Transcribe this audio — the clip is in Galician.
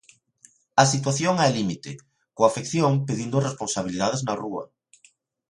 A situación é límite, coa afección pedindo responsabilidades na rúa.